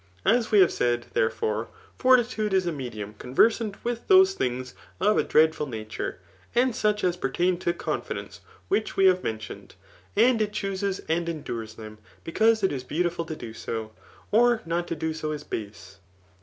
As we have said, therefore, for titude is a medium ccmversant with those things of a dreadful nature, and such as pertain to confidence, winch we have mentioned ; and it chooses and endures them^ because it is beautiful to do so, or not to do so is base.